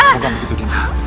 tidak begitu ganda